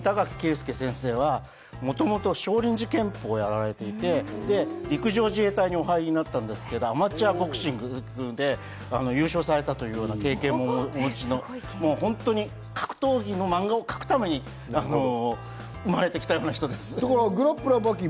この作者の板垣恵介先生はもともと少林寺拳法をやられていて、陸上自衛隊にお入りになったんですけれども、アマチュアボクシングで優勝されたという経験をお持ちの本当に格闘技のマンガを描くために生まれてきたような人です。